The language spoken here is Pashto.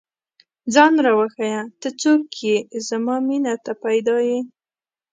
ځان راوښیه، ته څوک ئې؟ زما مینې ته پيدا ې